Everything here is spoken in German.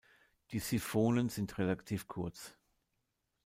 Die Siphonen sind relativ kurz.